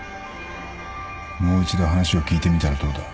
もう一度話を聞いてみたらどうだ？